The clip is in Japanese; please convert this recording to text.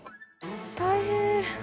大変。